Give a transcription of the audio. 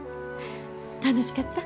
楽しかった？